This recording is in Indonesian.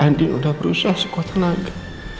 andi udah berusaha sekuat tenaga